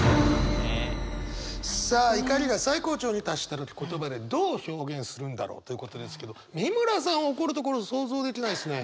さあ怒りが最高潮に達した時言葉でどう表現するんだろうということですけど美村さん怒るところ想像できないですね。